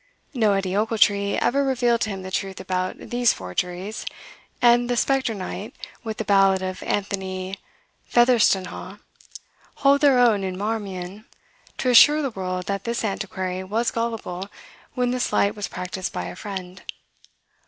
No Edie Ochiltree ever revealed to him the truth about these forgeries, and the spectre knight, with the ballad of "Anthony Featherstonhaugh," hold their own in "Marmion," to assure the world that this antiquary was gullible when the sleight was practised by a friend.